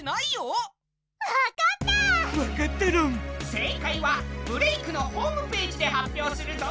正解は「ブレイクッ！」のホームページで発表するぞ。